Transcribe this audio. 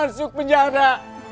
satu masuk penjara